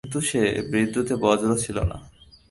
কিন্তু সে বিদ্যুতে বজ্র ছিল না।